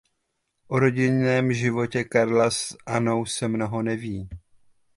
O rodinném životě Karla s Annou se mnoho neví.